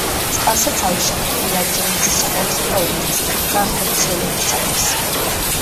წყალსაცავი შექმნილია ჯეიმზის ყურის პროექტის განხორციელებისათვის.